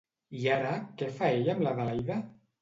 I ara què fa ell amb l'Adelaida?